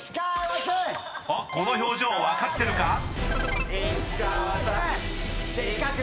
この表情分かってるか？］